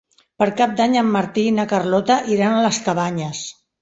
Per Cap d'Any en Martí i na Carlota iran a les Cabanyes.